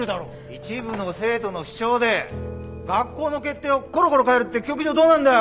一部の生徒の主張で学校の決定をコロコロ変えるって教育上どうなんだよ。